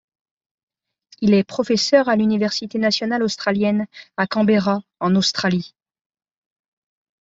Il est professeur à l'université nationale australienne à Canberra, en Australie.